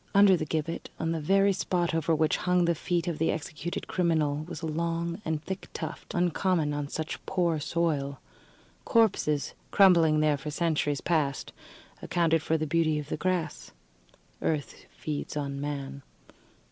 Under the gibbet, on the very spot over which hung the feet of the executed criminal, was a long and thick tuft, uncommon on such poor soil. Corpses, crumbling there for centuries past, accounted for the beauty of the grass. Earth feeds on man.